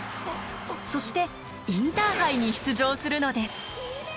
そしてインターハイに出場するのです。